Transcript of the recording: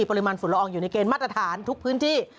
ปริมาณฝุ่นละอองอยู่ในเกณฑ์มาตรฐานทุกพื้นที่